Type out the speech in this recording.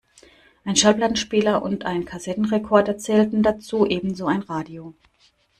Ein Schallplattenspieler und ein Kassettenrekorder zählten dazu, ebenso ein Radio.